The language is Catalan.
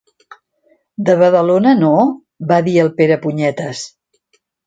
De Badalona, no? —va dir el Perepunyetes.